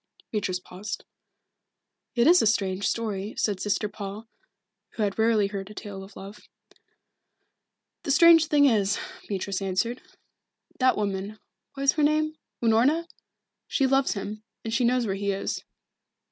Beatrice paused. "It is a strange story," said Sister Paul, who had rarely heard a tale of love. "The strange thing is this," Beatrice answered. "That woman what is her name? Unorna? She loves him, and she knows where he is."